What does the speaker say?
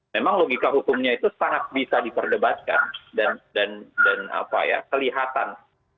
memang logika hukumnya itu sangat bisa diperdebatkan dan kelihatan